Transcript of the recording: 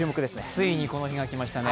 ついにこの日が来ましたね。